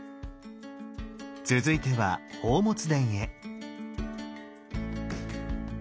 続いては寶物殿へ。